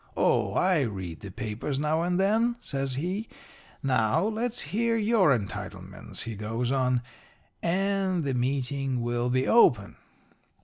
Oh, I read the papers now and then,' says he. 'Now, let's hear your entitlements,' he goes on, 'and the meeting will be open.'